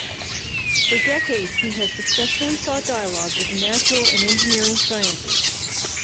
For decades he has successfully sought dialogue with the natural and engineering sciences.